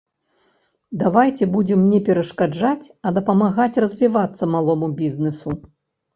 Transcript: Давайце будзем не перашкаджаць, а дапамагаць развівацца малому бізнесу.